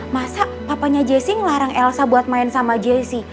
masa papanya jesse ngelarang elsa buat main sama jesse